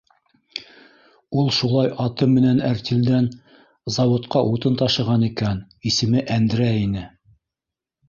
Ул шулай аты менән әртилдән заводҡа утын ташыған икән, исеме Әндрәй ине.